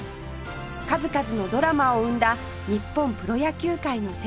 数々のドラマを生んだ日本プロ野球界の聖地です